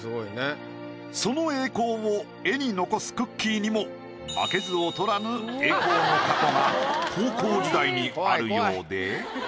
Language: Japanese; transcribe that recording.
その栄光を絵に残すくっきー！にも負けず劣らぬ栄光の過去が高校時代にあるようで。